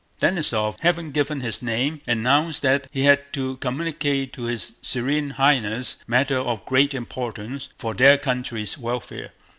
Denísov, having given his name, announced that he had to communicate to his Serene Highness a matter of great importance for their country's welfare.